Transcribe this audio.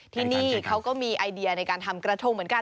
ที่นี่เขาก็มีไอเดียในการทำกระทงเหมือนกัน